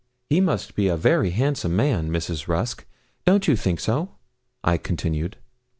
'He must be a very handsome man, Mrs. Rusk. Don't you think so?' I continued.